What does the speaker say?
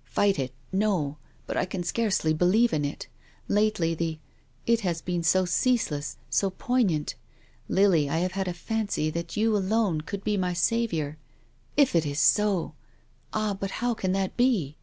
" Fight it — no, but I can scarcely believe in it. Lately the — it has been so ceaseless, so poignant. Lily, I have had a fancy that you alone could be my saviour. If it is so ! Ah, but how can that be?"